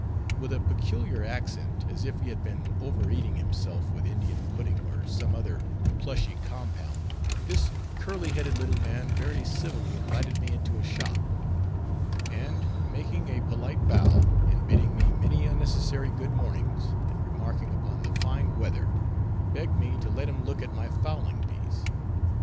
With a peculiar accent, as if he had been over eating himself with Indian pudding or some other plushy compound, this curly headed little man very civilly invited me into his shop; and making a polite bow, and bidding me many unnecessary good mornings, and remarking upon the fine weather, begged me to let him look at my fowling piece.